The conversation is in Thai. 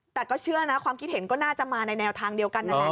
แต่ก็เชื่อนะความคิดเห็นก็น่าจะมาในแนวทางเดียวกันนั่นแหละ